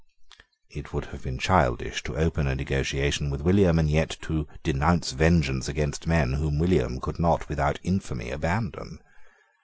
It would have been childish to open a negotiation with William, and yet to denounce vengeance against men whom William could not without infamy abandon.